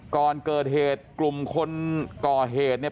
ก่อนเกิดเหตุกลุ่มคนก่อเหตุเนี่ย